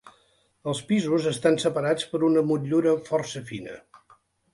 Els pisos estan separats per una motllura força fina.